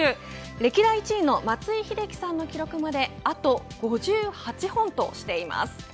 歴代１位の松井秀喜さんの記録まであと５８本としています。